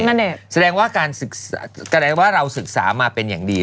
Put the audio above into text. ก็แสดงว่าเราศึกษามาเป็นอย่างดี